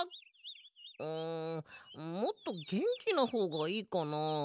うんもっとげんきなほうがいいかな？